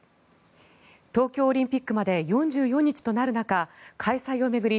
東京オリンピックまで４４日となる中開催を巡り